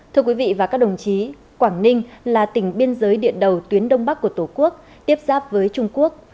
thưa quý vị và các đồng chí quảng ninh là tỉnh biên giới điện đầu tuyến đông bắc của tổ quốc tiếp giáp với trung quốc